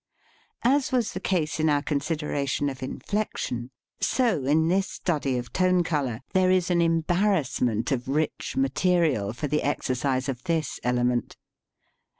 As was the case in our consideration of inflection, so in this study of tone color there is an embarrassment of rich material for the exercise of this element.